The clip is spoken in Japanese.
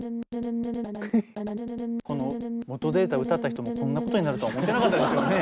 この元データ歌った人もこんなことになるとは思ってなかったでしょうね。